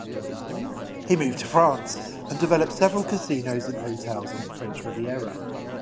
He moved to France and developed several casinos and hotels at the French Riviera.